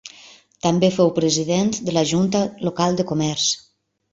També fou president de la junta local de comerç.